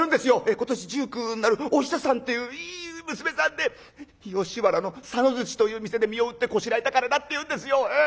今年１９になるお久さんっていういい娘さんで吉原の佐野という店で身を売ってこしらえた金だって言うんですよええ。